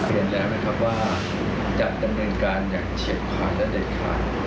เรียนแล้วนะครับว่าจะดำเนินการอย่างเฉียบพันธุ์และเด็ดขาด